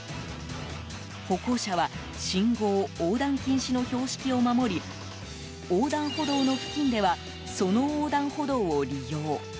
歩行者は信号、横断禁止の標識を守り横断歩道の付近ではその横断歩道を利用。